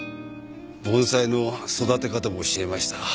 盆栽の育て方も教えました。